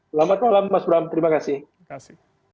selamat malam mas bram terima kasih